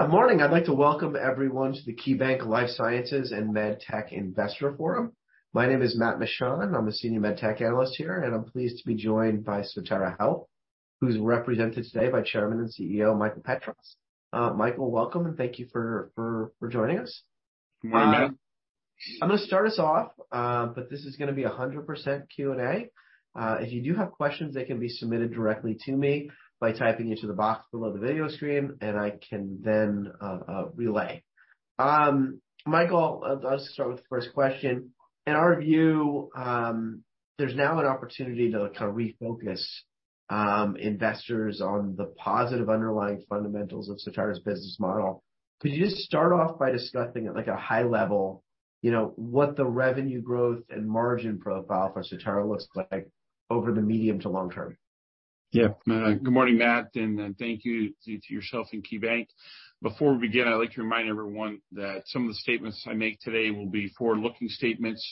Good morning. I'd like to welcome everyone to the KeyBanc Life Sciences and MedTech Investor Forum. My name is Matthew Mishan. I'm a senior MedTech analyst here, and I'm pleased to be joined by Sotera Health, who's represented today by Chairman and CEO Michael Petras. Michael, welcome, and thank you for joining us. Good morning, Matt. I'm gonna start us off, but this is gonna be a 100% Q&A. If you do have questions, they can be submitted directly to me by typing into the box below the video screen, and I can then relay. Michael, let's start with the first question. In our view, there's now an opportunity to kind of refocus investors on the positive underlying fundamentals of Sotera's business model. Could you just start off by discussing at, like, a high level, you know, what the revenue growth and margin profile for Sotera looks like over the medium to long term? Yeah. Good morning, Matt, and thank you to yourself and KeyBanc. Before we begin, I'd like to remind everyone that some of the statements I make today will be forward-looking statements.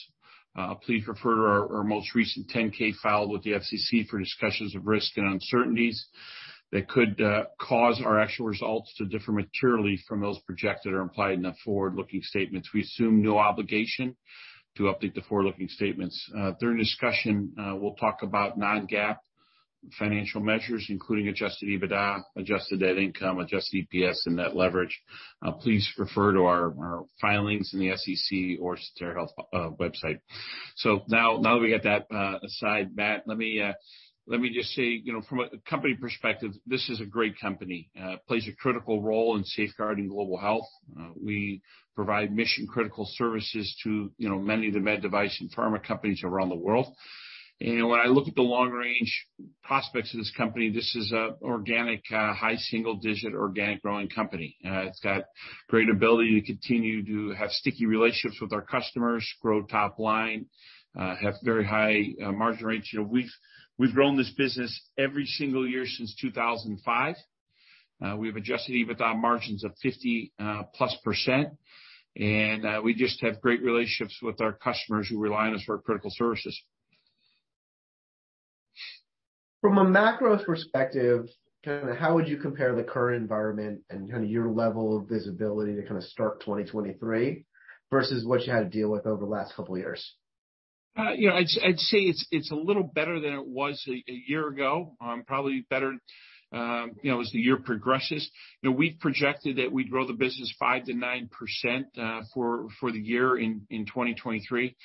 Please refer to our most recent 10-K filed with the SEC for discussions of risk and uncertainties that could cause our actual results to differ materially from those projected or implied in the forward-looking statements. We assume no obligation to update the forward-looking statements. During discussion, we'll talk about non-GAAP financial measures, including Adjusted EBITDA, adjusted net income, Adjusted EPS, and Net Leverage. Please refer to our filings in the SEC or Sotera Health website. Now that we got that aside, Matt, let me just say, you know, from a company perspective, this is a great company. It plays a critical role in safeguarding global health. We provide mission-critical services to, you know, many of the med device and pharma companies around the world. When I look at the long-range prospects of this company, this is a organic, high single-digit organic growing company. It's got great ability to continue to have sticky relationships with our customers, grow top line, have very high, margin rates. You know, we've grown this business every single year since 2005. We have Adjusted EBITDA margins of 50, +%, and we just have great relationships with our customers who rely on us for our critical services. From a macro perspective, kinda how would you compare the current environment and kinda your level of visibility to kinda start 2023 versus what you had to deal with over the last couple years? You know, I'd say it's a little better than it was a year ago. Probably better, you know, as the year progresses. You know, we've projected that we'd grow the business 5% to 9% for the year in 2023.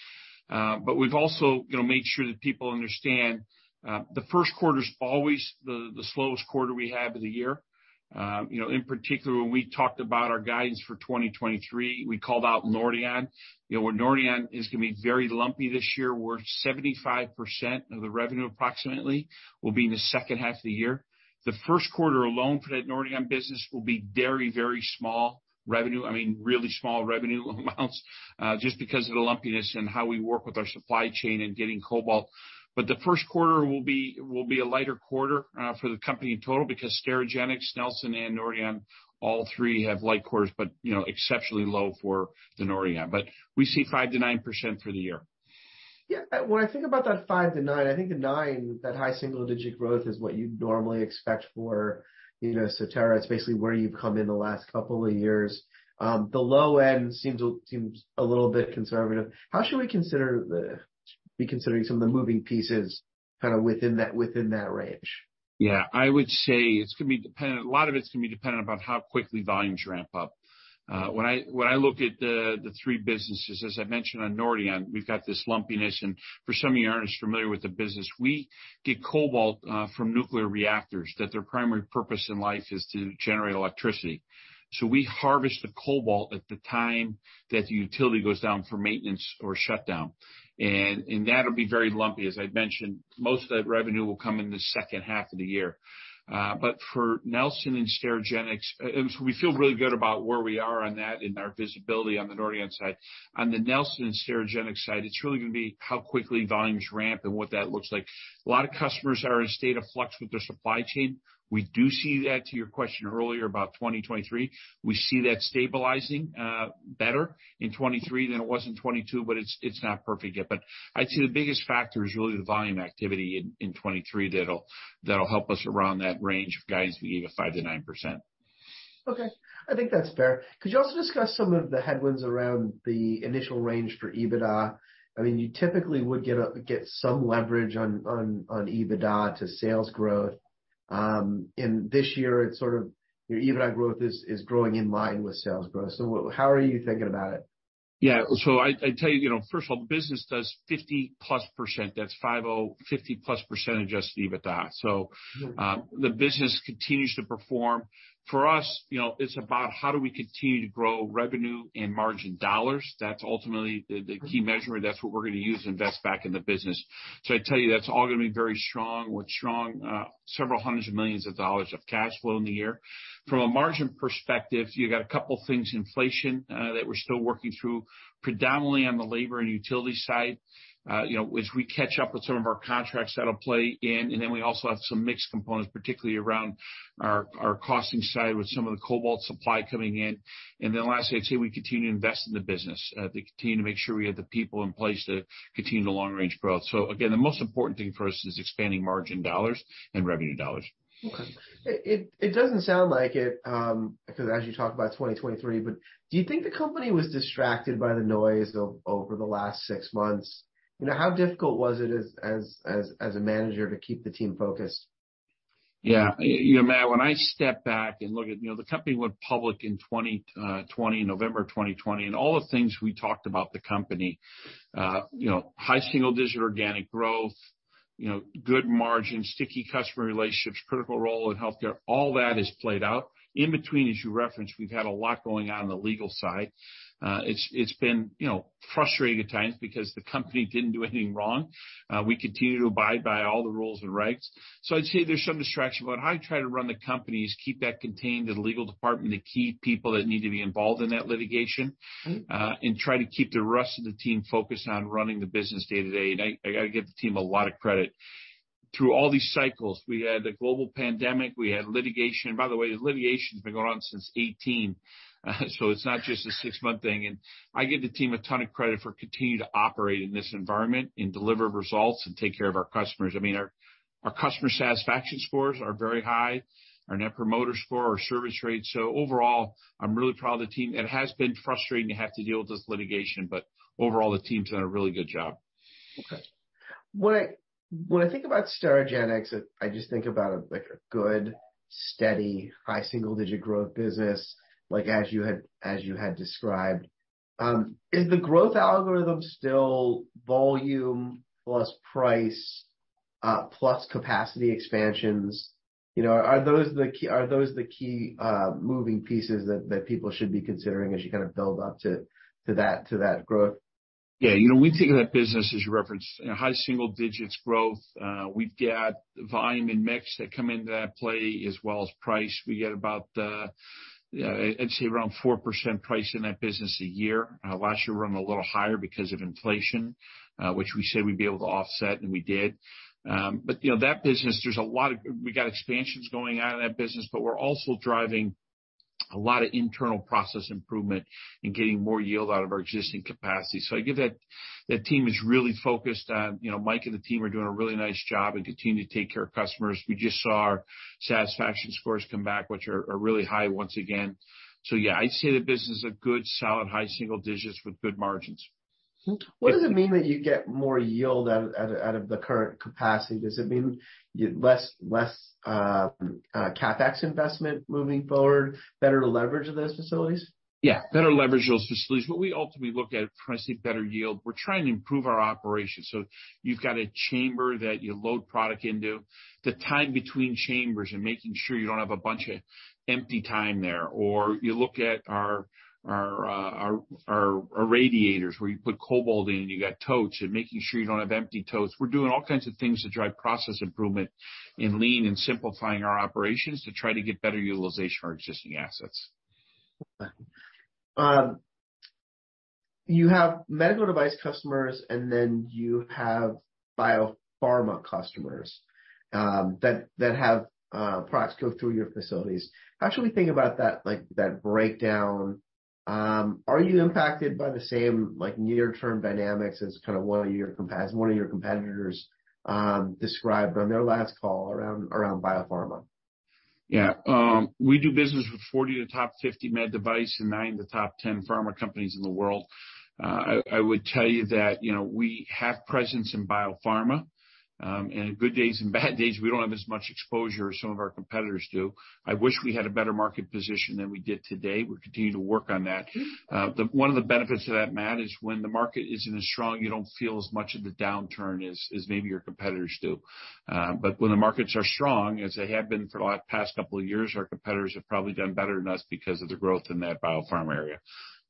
We've also, you know, made sure that people understand, the first quarter's always the slowest quarter we have of the year. You know, in particular, when we talked about our guidance for 2023, we called out Nordion. You know, where Nordion is gonna be very lumpy this year, where 75% of the revenue approximately will be in the second half of the year. The first quarter alone for that Nordion business will be very small revenue. I mean, really small revenue amounts, just because of the lumpiness and how we work with our supply chain in getting Cobalt-60. The first quarter will be a lighter quarter for the company in total because Sterigenics, Nelson, and Nordion, all three have light quarters, but, you know, exceptionally low for the Nordion. We see 5%-9% for the year. Yeah. When I think about that 5-9, I think the 9, that high single digit growth is what you'd normally expect for, you know, Sotera. It's basically where you've come in the last couple of years. The low end seems a little bit conservative. How should we be considering some of the moving pieces kinda within that, within that range? Yeah. A lot of it's gonna be dependent upon how quickly volumes ramp up. When I look at the three businesses, as I mentioned on Nordion, we've got this lumpiness. For some of you who aren't as familiar with the business, we get Cobalt-60 from nuclear reactors that their primary purpose in life is to generate electricity. We harvest the Cobalt-60 at the time that the utility goes down for maintenance or shutdown. That'll be very lumpy. As I'd mentioned, most of that revenue will come in the second half of the year. For Nelson and Sterigenics, we feel really good about where we are on that and our visibility on the Nordion side. On the Nelson Labs and Sterigenics side, it's really gonna be how quickly volumes ramp and what that looks like. A lot of customers are in a state of flux with their supply chain. We do see that, to your question earlier about 2023, we see that stabilizing better in 2023 than it was in 2022, but it's not perfect yet. I'd say the biggest factor is really the volume activity in 2023 that'll help us around that range of guidance we gave of 5%-9%. I think that's fair. Could you also discuss some of the headwinds around the initial range for EBITDA? I mean, you typically would get some leverage on EBITDA to sales growth. And this year it's sort of your EBITDA growth is growing in line with sales growth. How are you thinking about it? Yeah. I tell you know, first of all, the business does 50%+ that's five-oh, 50%+ Adjusted EBITDA. Mm-hmm. The business continues to perform. For us, you know, it's about how do we continue to grow revenue and margin dollars. That's ultimately the key measure. That's what we're gonna use to invest back in the business. I tell you, that's all gonna be very strong with strong several hundreds of millions of dollars of cash flow in the year. From a margin perspective, you got a couple things, inflation, that we're still working through, predominantly on the labor and utility side. You know, as we catch up with some of our contracts, that'll play in. We also have some mixed components, particularly around our costing side with some of the Cobalt-60 supply coming in. lastly, I'd say we continue to invest in the business to continue to make sure we have the people in place to continue the long-range growth. The most important thing for us is expanding margin dollars and revenue dollars. Okay. It doesn't sound like it, because as you talk about 2023, do you think the company was distracted by the noise over the last six months? You know, how difficult was it as a manager to keep the team focused? Yeah. You know, Matt, when I step back and look at, you know, the company went public in 2020, November of 2020, and all the things we talked about the company, you know, high single-digit organic growth, you know, good margin, sticky customer relationships, critical role in healthcare, all that has played out. In between, as you referenced, we've had a lot going on on the legal side. It's, you know, frustrating at times because the company didn't do anything wrong. We continue to abide by all the rules and rights. I'd say there's some distraction, but how I try to run the company is keep that contained to the legal department, the key people that need to be involved in that litigation, and try to keep the rest of the team focused on running the business day-to-day. I gotta give the team a lot of credit. Through all these cycles, we had the global pandemic, we had litigation. By the way, the litigation's been going on since 2018, so it's not just a 6-month thing. I give the team a ton of credit for continuing to operate in this environment and deliver results and take care of our customers. I mean, our customer satisfaction scores are very high, our Net Promoter Score, our service rates. Overall, I'm really proud of the team. It has been frustrating to have to deal with this litigation, but overall, the team's done a really good job. Okay. When I think about Sterigenics, I just think about, like, a good, steady, high single-digit growth business, like as you had described. Is the growth algorithm still volume plus price, plus capacity expansions? You know, are those the key moving pieces that people should be considering as you kind of build up to that growth? Yeah. You know, when you think of that business, as you referenced, you know, high single digits growth. We've got volume and mix that come into that play as well as price. We get about, I'd say around 4% price in that business a year. Last year ran a little higher because of inflation, which we said we'd be able to offset, and we did. You know, that business, there's a lot of. We got expansions going on in that business, but we're also driving a lot of internal process improvement and getting more yield out of our existing capacity. I give that team is really focused on, you know, Mike and the team are doing a really nice job and continue to take care of customers. We just saw our satisfaction scores come back, which are really high once again. Yeah, I'd say the business is a good, solid high single digits with good margins. What does it mean that you get more yield out of the current capacity? Does it mean less CapEx investment moving forward, better leverage of those facilities? Yeah, better leverage of those facilities. What we ultimately look at when I say better yield, we're trying to improve our operations. You've got a chamber that you load product into. The time between chambers and making sure you don't have a bunch of empty time there, or you look at our radiators, where you put Cobalt-60 in, you got totes, and making sure you don't have empty totes. We're doing all kinds of things to drive process improvement in lean and simplifying our operations to try to get better utilization of our existing assets. You have medical device customers, and then you have biopharma customers, that have products go through your facilities. How should we think about that, like, that breakdown? Are you impacted by the same, like, near-term dynamics as kind of one of your competitors, described on their last call around biopharma? We do business with 40 of the top 50 med device and 9 of the top 10 pharma companies in the world. I would tell you that, you know, we have presence in biopharma, and good days and bad days, we don't have as much exposure as some of our competitors do. I wish we had a better market position than we did today. We continue to work on that. One of the benefits of that, Matt, is when the market isn't as strong, you don't feel as much of the downturn as maybe your competitors do. When the markets are strong, as they have been for the past couple of years, our competitors have probably done better than us because of the growth in that biopharma area.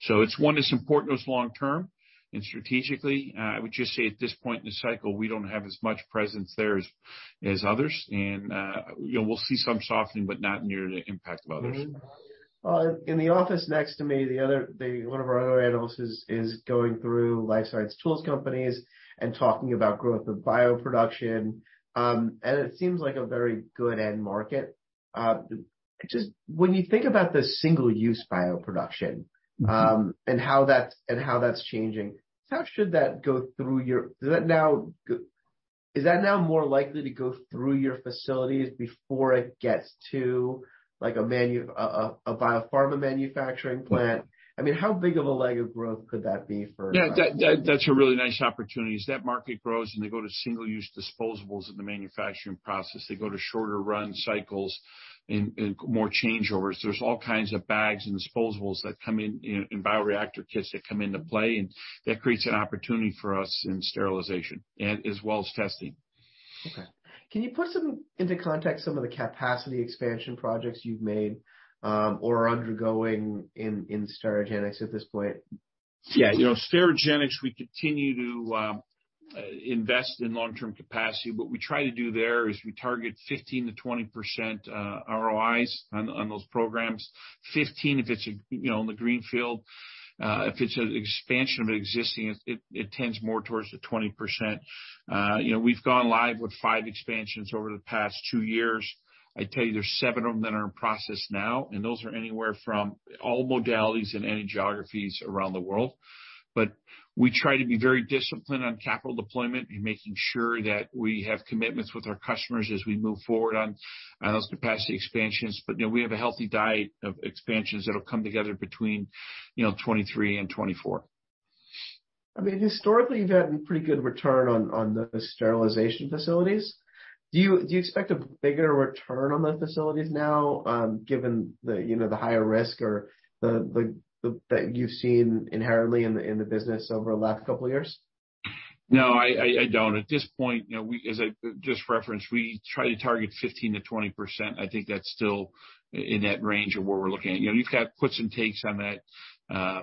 It's one that's important to us long term and strategically. I would just say at this point in the cycle, we don't have as much presence there as others. You know, we'll see some softening, but not near the impact of others. Well, in the office next to me, the other, one of our other analysts is going through life science tools companies and talking about growth of bioproduction. It seems like a very good end market. Just when you think about the single-use bioproduction, and how that's changing, how should that go through your... Is that now more likely to go through your facilities before it gets to, like, a biopharma manufacturing plant? I mean, how big of a leg of growth could that be for? Yeah, that's a really nice opportunity. As that market grows and they go to single-use disposables in the manufacturing process, they go to shorter run cycles and more changeovers. There's all kinds of bags and disposables that come in and bioreactor kits that come into play, and that creates an opportunity for us in sterilization as well as testing. Okay. Can you put some into context some of the capacity expansion projects you've made, or are undergoing in Sterigenics at this point? Yeah. You know, Sterigenics, we continue to invest in long-term capacity. What we try to do there is we target 15%-20% ROIs on those programs. 15 if it's, you know, in the greenfield. If it's an expansion of an existing, it tends more towards the 20%. You know, we've gone live with 5 expansions over the past two years. I tell you there's seven of them that are in process now, and those are anywhere from all modalities and any geographies around the world. We try to be very disciplined on capital deployment and making sure that we have commitments with our customers as we move forward on those capacity expansions. You know, we have a healthy diet of expansions that'll come together between, you know, 2023 and 2024. I mean, historically, you've had pretty good return on the sterilization facilities. Do you expect a bigger return on the facilities now, given the, you know, the higher risk or the that you've seen inherently in the business over the last couple of years? No, I don't. At this point, you know, as I just referenced, we try to target 15%-20%. I think that's still in that range of where we're looking at. You know,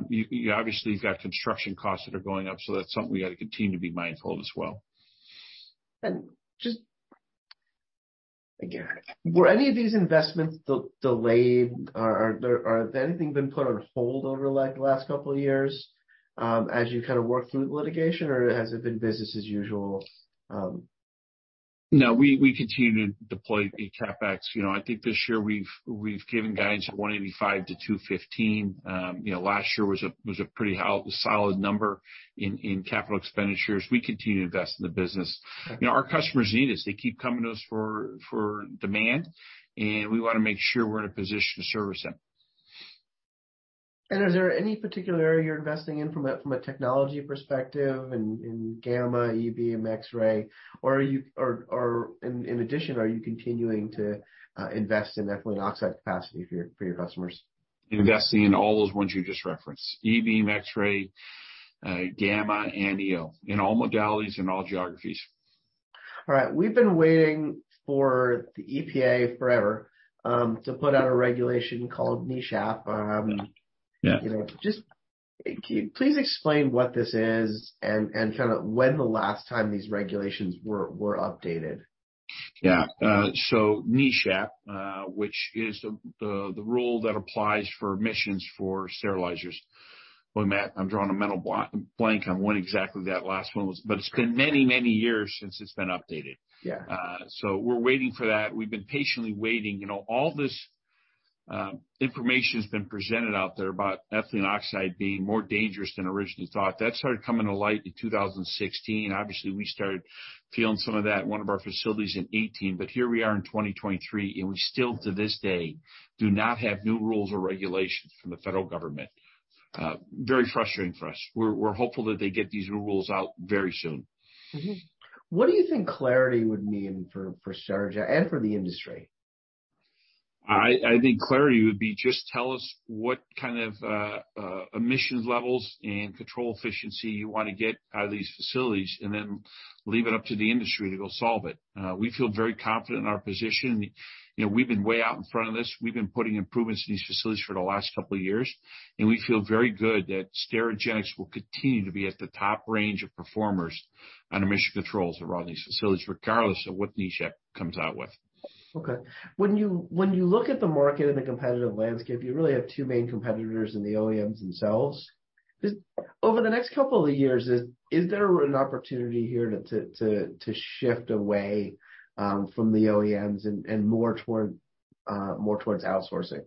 you obviously have got construction costs that are going up, so that's something we got to continue to be mindful as well. Just Again, were any of these investments de-delayed? Or, has anything been put on hold over like the last couple of years, as you kind of worked through the litigation? Or has it been business as usual? No, we continue to deploy the CapEx. You know, I think this year we've given guidance of $185-$215. You know, last year was a pretty solid number in capital expenditures. We continue to invest in the business. Okay. You know, our customers need us. They keep coming to us for demand, and we wanna make sure we're in a position to service them. Is there any particular area you're investing in from a, from a technology perspective in Gamma, E-Beam, X-Ray? In addition, are you continuing to invest in ethylene oxide capacity for your, for your customers? Investing in all those ones you just referenced. E-Beam, X-Ray, Gamma, and EO. In all modalities, in all geographies. All right. We've been waiting for the EPA forever to put out a regulation called NESHAP. Yeah. You know, just can you please explain what this is and kind of when the last time these regulations were updated? Yeah. NESHAP, which is the rule that applies for emissions for sterilizers. Matt, I'm drawing a mental blank on when exactly that last one was, but it's been many, many years since it's been updated. Yeah. We're waiting for that. We've been patiently waiting. You know, all this information has been presented out there about ethylene oxide being more dangerous than originally thought. That started coming to light in 2016. Obviously, we started feeling some of that in one of our facilities in 2018. Here we are in 2023, and we still to this day do not have new rules or regulations from the federal government. Very frustrating for us. We're hopeful that they get these new rules out very soon. Mm-hmm. What do you think clarity would mean for Sterigenics and for the industry? I think clarity would be just tell us what kind of emissions levels and control efficiency you wanna get out of these facilities, and then leave it up to the industry to go solve it. We feel very confident in our position. You know, we've been way out in front of this. We've been putting improvements in these facilities for the last couple of years, and we feel very good that Sterigenics will continue to be at the top range of performers on emission controls around these facilities, regardless of what NESHAP comes out with. Okay. When you look at the market and the competitive landscape, you really have two main competitors in the OEMs themselves. Just over the next couple of years, is there an opportunity here to shift away from the OEMs and more toward more towards outsourcing?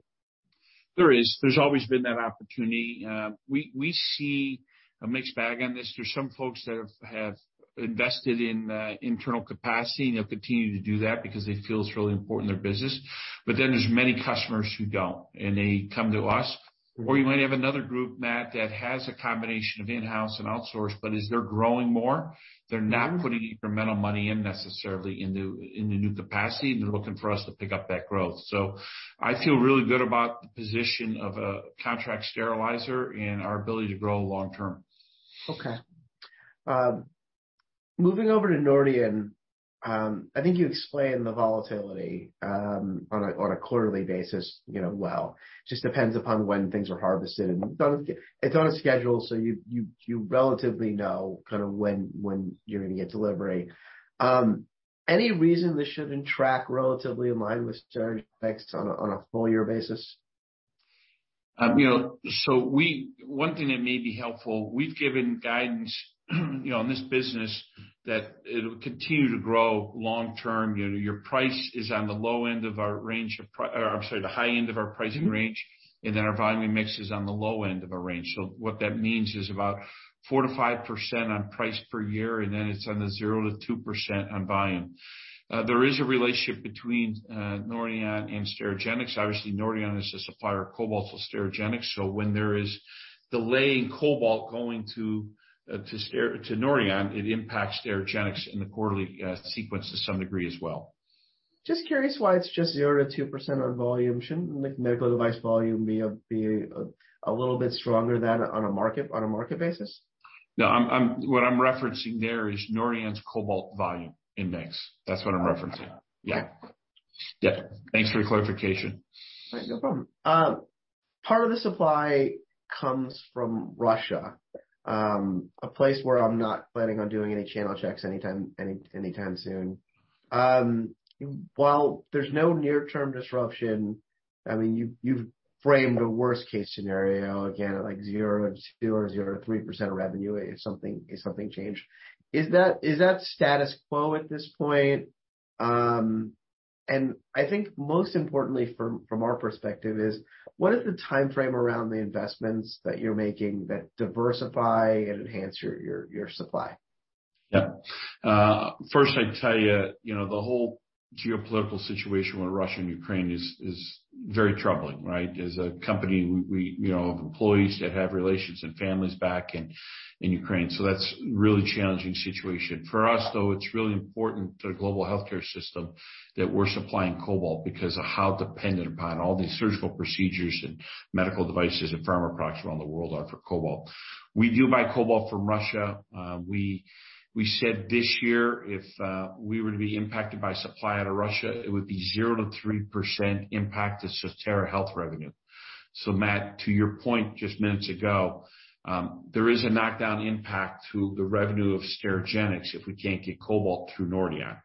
There is. There's always been that opportunity. We see a mixed bag on this. There's some folks that have invested in internal capacity. They'll continue to do that because they feel it's really important to their business. There's many customers who don't, and they come to us. You might have another group, Matt, that has a combination of in-house and outsourced, but as they're growing more- Mm-hmm. They're not putting incremental money in necessarily in the new capacity. They're looking for us to pick up that growth. I feel really good about the position of a contract sterilizer and our ability to grow long term. Okay. Moving over to Nordion. I think you explained the volatility on a quarterly basis, you know, well. Just depends upon when things are harvested and done. It's on a schedule, so you relatively know kind of when you're gonna get delivery. Any reason this shouldn't track relatively in line with Sterigenics on a full year basis? You know, one thing that may be helpful, we've given guidance, you know, on this business that it'll continue to grow long term. You know, your price is on the low end of our range or I'm sorry, the high end of our pricing range. Mm-hmm. Our volume mix is on the low end of our range. What that means is about 4%-5% on price per year, and then it's on the 0%-2% on volume. There is a relationship between Nordion and Sterigenics. Obviously, Nordion is a supplier of Cobalt-60 to Sterigenics. When there is delay in Cobalt-60 going to Nordion, it impacts Sterigenics in the quarterly sequence to some degree as well. Just curious why it's just 0% to 2% on volume. Shouldn't medical device volume be a little bit stronger than that on a market, on a market basis? No, I'm what I'm referencing there is Nordion's Cobalt-60 volume index. That's what I'm referencing. Okay. Yeah. Yeah. Thanks for the clarification. All right. No problem. Part of the supply comes from Russia, a place where I'm not planning on doing any channel checks anytime soon. While there's no near-term disruption, I mean, you've framed a worst case scenario again at like 0%-2% or 0%-3% revenue if something changed. Is that status quo at this point? I think most importantly from our perspective is, what is the timeframe around the investments that you're making that diversify and enhance your supply? First I'd tell you know, the whole geopolitical situation with Russia and Ukraine is very troubling, right? As a company, we, you know, have employees that have relations and families back in Ukraine, so that's really challenging situation. For us, though, it's really important to the global healthcare system that we're supplying Cobalt-60 because of how dependent upon all these surgical procedures and medical devices and pharma products around the world are for Cobalt-60. We do buy Cobalt-60 from Russia. We said this year, if we were to be impacted by supply out of Russia, it would be 0%-3% impact to Sotera Health revenue. Matt, to your point just minutes ago, there is a knockdown impact to the revenue of Sterigenics if we can't get Cobalt-60 through Nordion.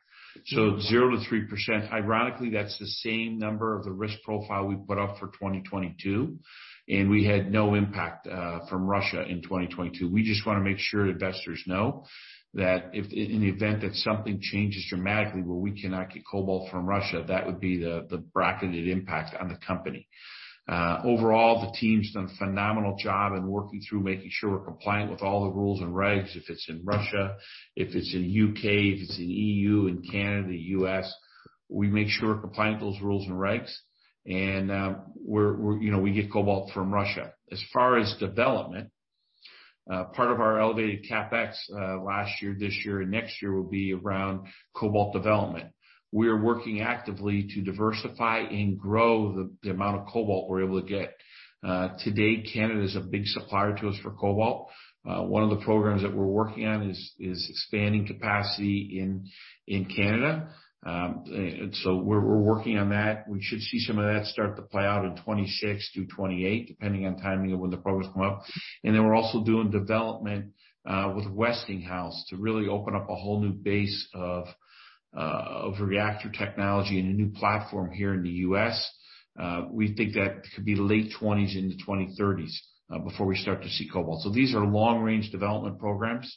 0%-3%. Ironically, that's the same number of the risk profile we put up for 2022, and we had no impact from Russia in 2022. We just wanna make sure investors know that if in the event that something changes dramatically where we cannot get Cobalt-60 from Russia, that would be the bracketed impact on the company. Overall, the team's done a phenomenal job in working through making sure we're compliant with all the rules and regs. If it's in Russia, if it's in U.K., if it's in EU, in Canada, U.S., we make sure we're compliant with those rules and regs. you know, we get Cobalt-60 from Russia. As far as development, part of our elevated CapEx last year, this year, and next year will be around Cobalt-60 development. We are working actively to diversify and grow the amount of Cobalt-60 we're able to get. Today, Canada is a big supplier to us for Cobalt-60. One of the programs that we're working on is expanding capacity in Canada. We're working on that. We should see some of that start to play out in 2026 through 2028, depending on timing of when the programs come up. We're also doing development with Westinghouse to really open up a whole new base of reactor technology and a new platform here in the U.S. We think that could be late 2020s into 2030s before we start to see Cobalt-60. These are long-range development programs,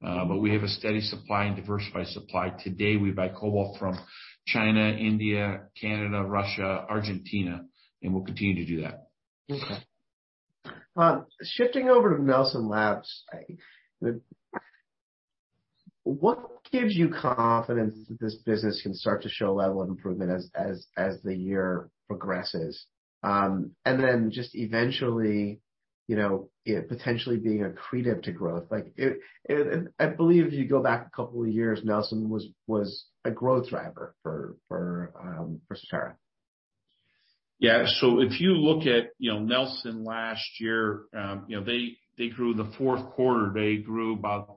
but we have a steady supply and diversified supply. Today, we buy Cobalt-60 from China, India, Canada, Russia, Argentina, and we'll continue to do that. Okay. Shifting over to Nelson Labs, what gives you confidence that this business can start to show a level of improvement as the year progresses? Just eventually, you know, it potentially being accretive to growth. Like I believe if you go back a couple of years, Nelson was a growth driver for Sotera. Yeah. If you look at, you know, Nelson last year, you know, they grew the fourth quarter. They grew about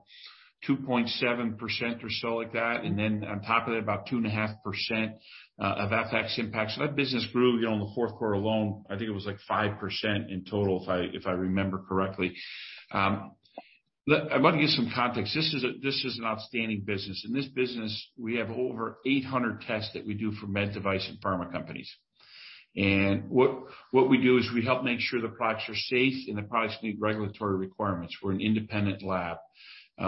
2.7% or so like that. Then on top of that, about 2.5% of FX impact. That business grew, you know, in the fourth quarter alone, I think it was, like, 5% in total if I remember correctly. I want to give some context. This is an outstanding business. In this business, we have over 800 tests that we do for med device and pharma companies. What we do is we help make sure the products are safe and the products meet regulatory requirements. We're an independent lab.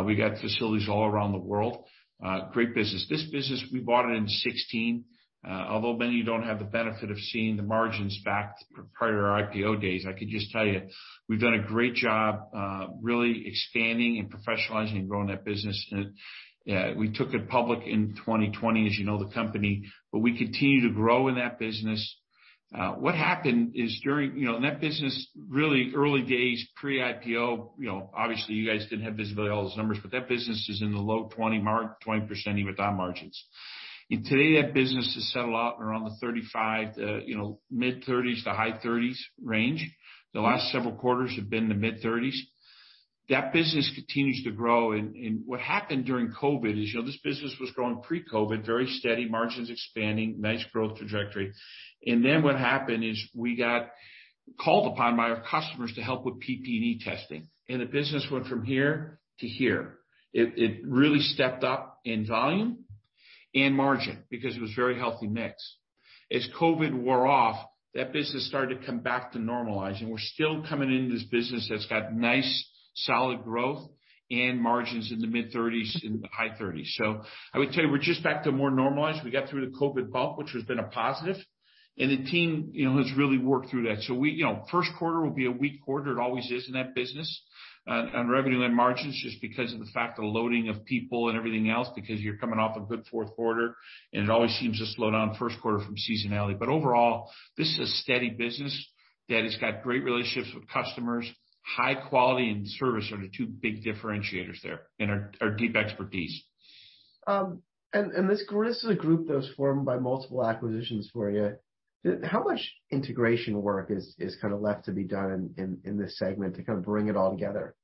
We got facilities all around the world. Great business. This business, we bought it in 2016. Although many of you don't have the benefit of seeing the margins back prior to our IPO days, I could just tell you we've done a great job, really expanding and professionalizing and growing that business. We took it public in 2020, as you know, the company. We continue to grow in that business. What happened is you know, in that business, really early days, pre-IPO, you know, obviously you guys didn't have visibility on all those numbers, but that business is in the low 20% EBITDA margins. Today, that business has settled out around the 35, you know, mid-thirties to high thirties range. The last several quarters have been the mid-thirties. That business continues to grow. What happened during COVID is, you know, this business was growing pre-COVID, very steady margins, expanding, nice growth trajectory. What happened is we got called upon by our customers to help with PPE testing, and the business went from here to here. It really stepped up in volume and margin because it was very healthy mix. As COVID wore off, that business started to come back to normalize, and we're still coming into this business that's got nice, solid growth and margins in the mid-30s% and high 30s%. I would tell you we're just back to more normalized. We got through the COVID bump, which has been a positive, and the team, you know, has really worked through that. You know, first quarter will be a weak quarter. It always is in that business on revenue and margins, just because of the fact of the loading of people and everything else, because you're coming off a good fourth quarter. It always seems to slow down first quarter from seasonality. Overall, this is a steady business that has got great relationships with customers. High quality and service are the two big differentiators there, and our deep expertise. And this is a group that was formed by multiple acquisitions for you. How much integration work is kinda left to be done in this segment to kind of bring it all together?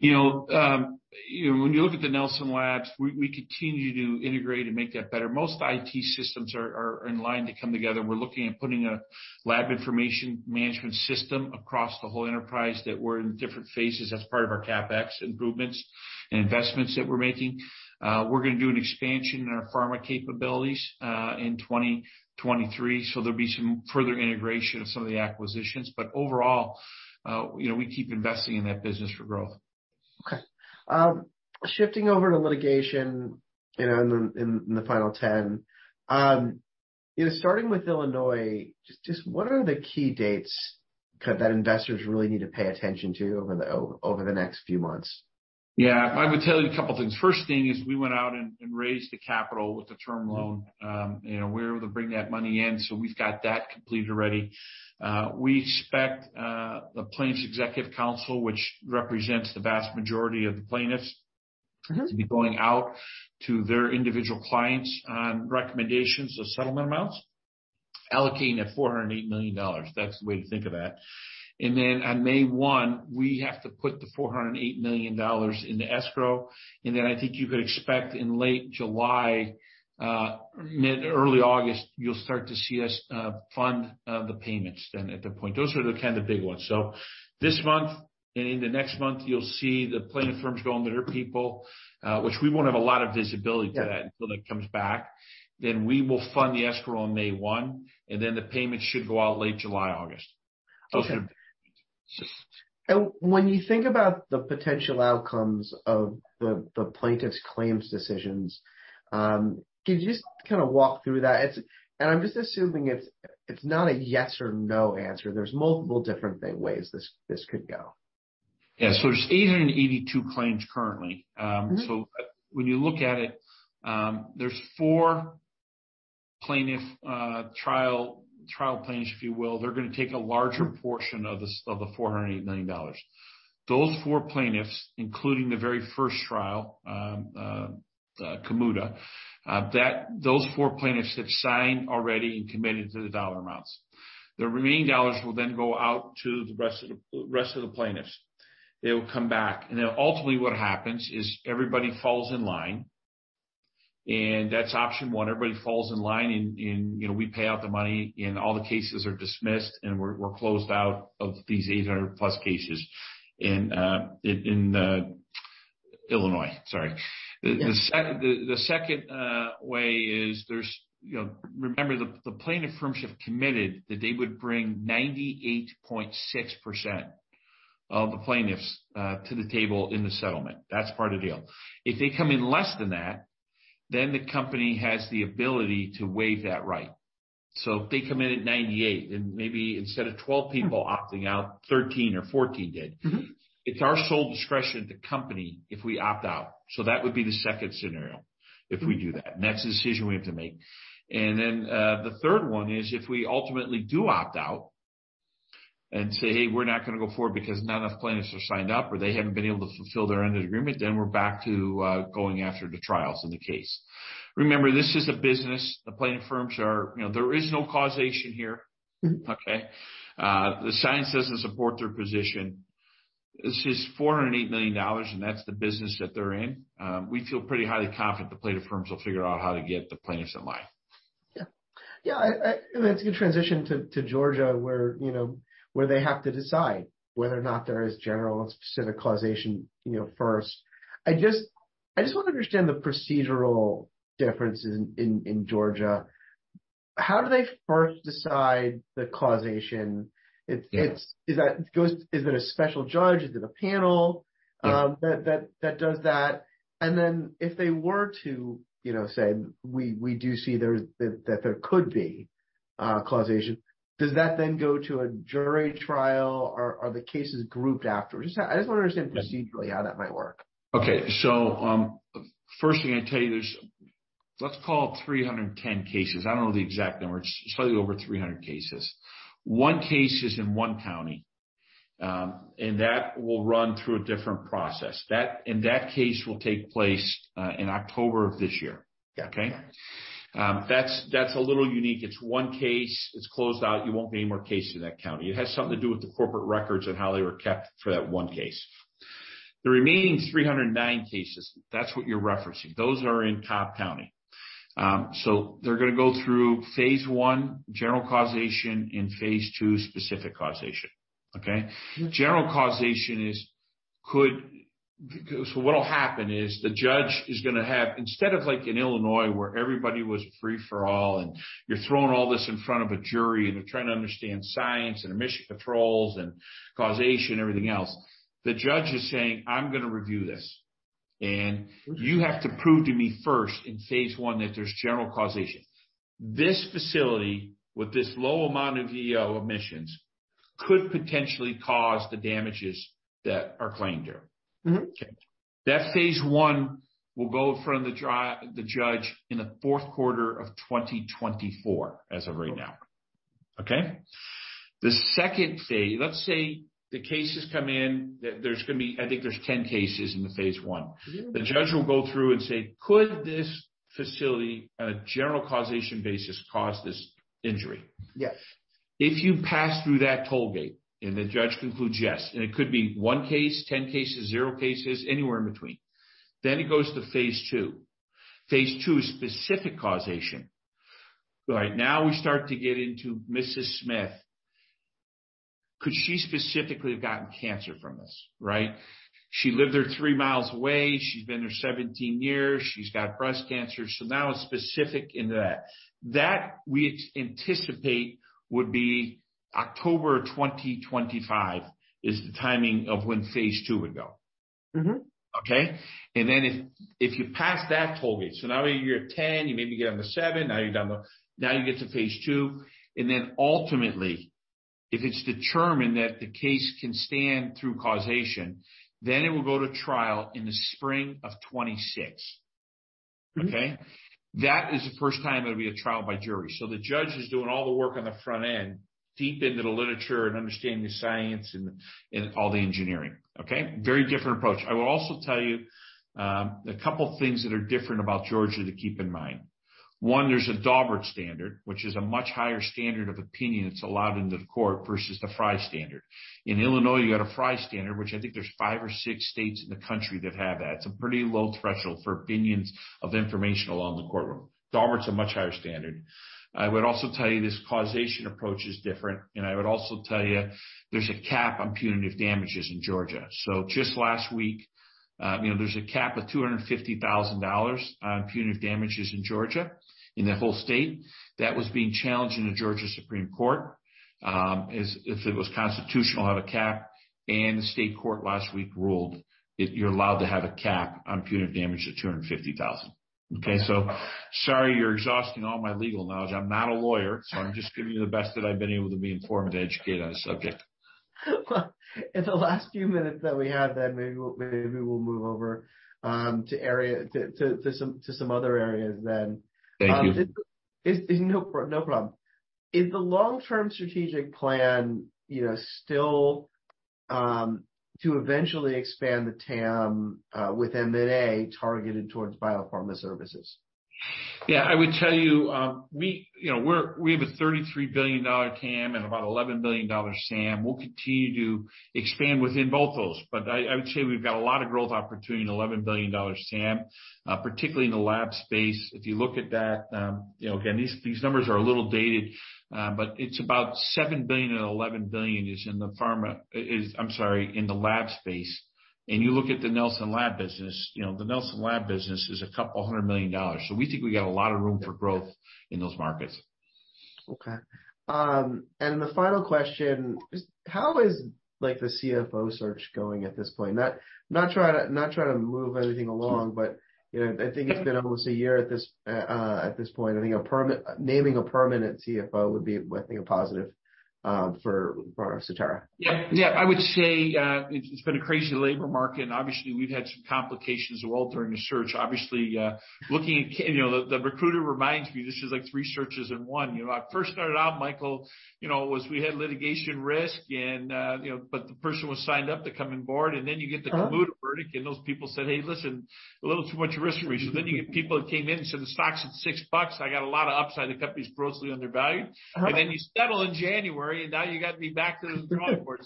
You know, you know, when you look at the Nelson Labs, we continue to integrate and make that better. Most IT systems are in line to come together. We're looking at putting a laboratory information management system across the whole enterprise that we're in different phases. That's part of our CapEx improvements and investments that we're making. We're gonna do an expansion in our pharma capabilities in 2023, so there'll be some further integration of some of the acquisitions. Overall, you know, we keep investing in that business for growth. Okay. Shifting over to litigation, you know, in the final 10. You know, starting with Illinois, just what are the key dates that investors really need to pay attention to over the next few months? Yeah. I would tell you a couple things. First thing is, we went out and raised the capital with the term loan. We were able to bring that money in, so we've got that completed already. We expect the plaintiffs' steering committee, which represents the vast majority of the plaintiffs. Mm-hmm. To be going out to their individual clients on recommendations of settlement amounts, allocating that $408 million. That's the way to think of that. Then on May 1, we have to put the $408 million into escrow, and then I think you could expect in late July, mid, early August, you'll start to see us fund the payments then at that point. Those are the kind of big ones. This month and in the next month, you'll see the plaintiff firms go on their people, which we won't have a lot of visibility to that. Yeah. until it comes back. We will fund the escrow on May one, and then the payments should go out late July, August. Okay. When you think about the potential outcomes of the plaintiffs' claims decisions, can you just kinda walk through that? I'm just assuming it's not a yes or no answer. There's multiple different ways this could go. Yeah. There's 882 claims currently. Mm-hmm. When you look at it, there's 4 plaintiff trial plaintiffs, if you will. They're gonna take a larger portion of the $408 million. Those 4 plaintiffs, including the very first trial, Kamuda, those 4 plaintiffs have signed already and committed to the dollar amounts. The remaining dollars will then go out to the rest of the plaintiffs. They will come back, ultimately what happens is everybody falls in line. That's option one, everybody falls in line, you know, we pay out the money, all the cases are dismissed, we're closed out of these 800+ cases in Illinois. Sorry. Yeah. The, the second way is there's, you know. Remember, the plaintiff firms have committed that they would bring 98.6% of the plaintiffs to the table in the settlement. That's part of the deal. If they come in less than that, then the company has the ability to waive that right. If they come in at 98 and maybe instead of 12 people opting out, 13 or 14. Mm-hmm. It's our sole discretion at the company if we opt out. That would be the second scenario if we do that, and that's a decision we have to make. The third one is if we ultimately do opt out and say, "Hey, we're not gonna go forward because not enough plaintiffs are signed up or they haven't been able to fulfill their end of the agreement," then we're back to going after the trials in the case. Remember, this is a business. The plaintiff firms. You know, there is no causation here. Mm-hmm. Okay? The science doesn't support their position. This is $408 million, and that's the business that they're in. We feel pretty highly confident the plaintiff firms will figure out how to get the plaintiffs in line. Yeah. I... That's a good transition to Georgia, where, you know, where they have to decide whether or not there is general and specific causation, you know, first. I just want to understand the procedural differences in Georgia. How do they first decide the causation? Yeah. Is it a special judge? Is it a panel-? Yeah. that does that? Then if they were to, you know, say, "We do see that there could be causation," does that then go to a jury trial or are the cases grouped afterwards? Just how. I just wanna understand procedurally how that might work. First thing I tell you, there's let's call it 310 cases. I don't know the exact number. It's slightly over 300 cases. One case is in one county, and that will run through a different process. That case will take place in October of this year. Okay. Okay? That's a little unique. It's one case. It's closed out. You won't be any more cases in that county. It has something to do with the corporate records and how they were kept for that one case. The remaining 309 cases, that's what you're referencing. Those are in Cobb County. They're gonna go through phase I, general causation, and phase II, specific causation. Okay? Mm-hmm. What will happen is the judge is gonna have, instead of like in Illinois, where everybody was free for all, and you're throwing all this in front of a jury, and they're trying to understand science and emission controls and general causation, everything else. The judge is saying, "I'm gonna review this, and you have to prove to me first in phase I that there's general causation. This facility with this low amount of EO emissions could potentially cause the damages that are claimed here. Mm-hmm. Okay. That phase I will go in front of the judge in the fourth quarter of 2024 as of right now. Okay? The second phase, let's say the cases come in. There's gonna be... I think there's 10 cases in the phase I. Mm-hmm. The judge will go through and say, "Could this facility on a general causation basis cause this injury? Yes. If you pass through that tollgate and the judge concludes yes, and it could be 1 case, 10 cases, 0 cases, anywhere in between, then it goes to phase II. Phase II is specific causation. Right now we start to get into Mrs. Smith. Could she specifically have gotten cancer from this? Right? She lived there 3 miles away. She's been there 17 years. She's got breast cancer. Now it's specific into that. That we anticipate would be October 2025 is the timing of when phase II would go. Mm-hmm. Okay? If you pass that toll gate, so you're at 10, you maybe get on the 7, you get to phase II. Ultimately, if it's determined that the case can stand through causation, it will go to trial in the spring of 2026. Mm-hmm. Okay? That is the first time it'll be a trial by jury. The judge is doing all the work on the front end, deep into the literature and understanding the science and all the engineering. Okay? Very different approach. I will also tell you a couple things that are different about Georgia to keep in mind. One, there's a Daubert standard, which is a much higher standard of opinion that's allowed into the court versus the Frye standard. In Illinois, you got a Frye standard, which I think there's 5 or 6 states in the country that have that. It's a pretty low threshold for opinions of information along the courtroom. Daubert's a much higher standard. I would also tell you this causation approach is different. I would also tell you there's a cap on punitive damages in Georgia. Just last week, you know, there's a cap of $250,000 on punitive damages in Georgia, in the whole state. That was being challenged in the Georgia Supreme Court, as if it was constitutional to have a cap, and the state court last week ruled it, you're allowed to have a cap on punitive damage to $250,000. Okay? Sorry, you're exhausting all my legal knowledge. I'm not a lawyer, so I'm just giving you the best that I've been able to be informed to educate on the subject. In the last few minutes that we have, maybe we'll move over to some other areas then. Thank you. Is no problem. Is the long-term strategic plan, you know, still, to eventually expand the TAM, with M&A targeted towards biopharma services? Yeah. I would tell you, we, you know, we have a $33 billion TAM and about $11 billion SAM. We'll continue to expand within both those. I would say we've got a lot of growth opportunity in $11 billion SAM, particularly in the lab space. If you look at that, you know, again, these numbers are a little dated, but it's about $7 billion-$11 billion is in the pharma... I'm sorry, in the lab space. You look at the Nelson Labs business, you know, the Nelson Labs business is $200 million. We think we got a lot of room for growth in those markets. Okay. The final question is how is, like, the CFO search going at this point? Not trying to move anything along, but, you know, I think it's been almost a year at this point. I think naming a permanent CFO would be, I think, a positive for Sotera. Yeah. Yeah. I would say, it's been a crazy labor market, and obviously we've had some complications as well during the search. Obviously, looking at you know, the recruiter reminds me this is like three searches in one. You know, I first started out, Michael, you know, was we had litigation risk and, you know, but the person was signed up to come on board, and then you get the Fornek verdict and those people said, "Hey, listen, a little too much risk for me." You get people that came in and said, "The stock's at $6. I got a lot of upside. The company's grossly undervalued. Uh-huh. You settle in January, you gotta be back to the drawing board.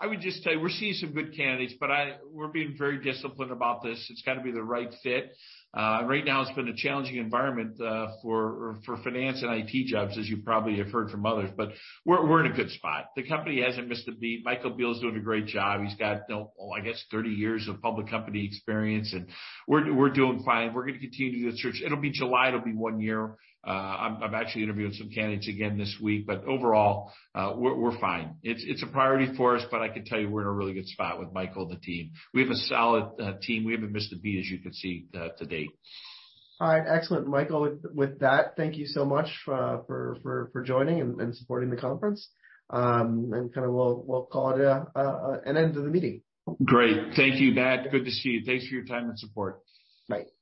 I would just tell you, we're seeing some good candidates, but we're being very disciplined about this. It's gotta be the right fit. Right now it's been a challenging environment for finance and IT jobs, as you probably have heard from others. We're in a good spot. The company hasn't missed a beat. Michael Biehl is doing a great job. He's got, you know, I guess 30 years of public company experience, and we're doing fine. We're gonna continue to do the search. It'll be July, it'll be 1 year. I'm actually interviewing some candidates again this week, but overall, we're fine. It's a priority for us, but I can tell you we're in a really good spot with Michael and the team. We have a solid team. We haven't missed a beat, as you can see, to date. All right. Excellent, Michael. With that, thank you so much for joining and supporting the conference. Kinda we'll call it an end to the meeting. Great. Thank you, Matt. Good to see you. Thanks for your time and support. Bye.